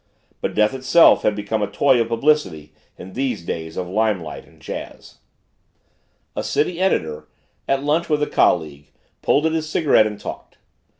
But Death itself had become a toy of publicity in these days of limelight and jazz. A city editor, at lunch with a colleague, pulled at his cigarette and talked.